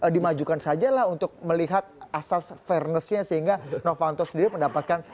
dimajukan sajalah untuk melihat asas fairness nya sehingga novanto sendiri mendapatkan